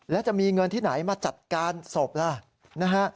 แล้วจะมีเงินที่ไหนมาจัดการศพล่ะนะฮะ